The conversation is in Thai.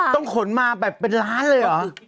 ต้องขนมาแบบเป็นล้านเลยเหรอ